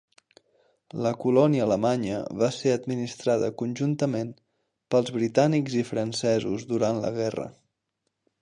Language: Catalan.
La colònia alemanya va ser administrada conjuntament pels britànics i francesos durant la guerra.